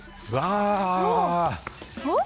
あっ？